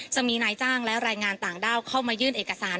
จะมีนายจ้างและแรงงานต่างด้าวเข้ามายื่นเอกสาร